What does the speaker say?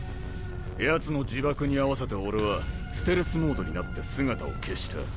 ヤツの自爆に合わせて俺はステルスモードになって姿を消した。